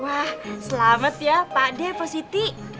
wah selamat ya pak de pak siti